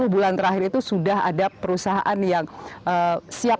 sepuluh bulan terakhir itu sudah ada perusahaan yang siap